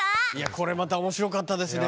これまたおもしろかったですね。